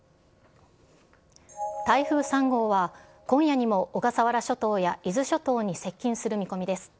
台風３号は、今夜にも小笠原諸島や伊豆諸島に接近する見込みです。